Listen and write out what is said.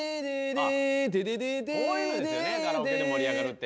こういうのですよねカラオケで盛り上がるって。